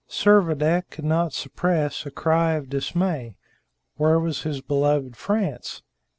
Servadac could not suppress a cry of dismay. Where was his beloved France?